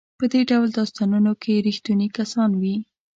په دې ډول داستانونو کې ریښتوني کسان وي.